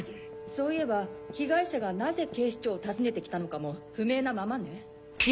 そういえば被害者がなぜ警視庁を訪ねてきたのかも不明なままね。